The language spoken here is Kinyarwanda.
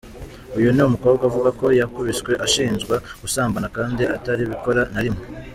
Uyu ni umukobwa uvuga ko yakubiswe ashinjwa gusambana kandi atarabikora na rimwe.